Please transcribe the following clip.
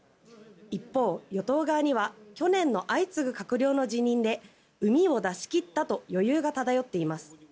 一方、与党側には去年の相次ぐ閣僚の辞任でうみを出し切ったと余裕が漂っています。